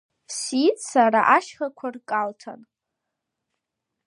Сиит сара ашьхақәа ркалҭан…